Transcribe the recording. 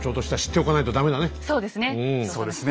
そうですね。